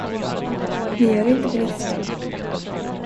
Ni är inte på listan.